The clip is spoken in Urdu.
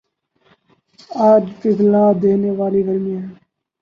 آج پگھلا دینے والی گرمی ہے